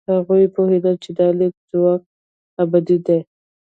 هغوی پوهېدل چې د لیک ځواک ابدي دی.